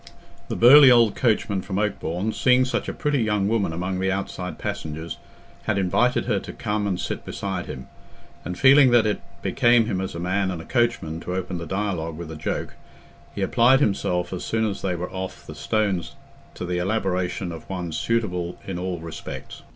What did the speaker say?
The burly old coachman from Oakbourne, seeing such a pretty young woman among the outside passengers, had invited her to come and sit beside him; and feeling that it became him as a man and a coachman to open the dialogue with a joke, he applied himself as soon as they were off the stones to the elaboration of one suitable in all respects.